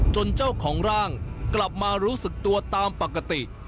เจ้าของร่างกลับมารู้สึกตัวตามปกติ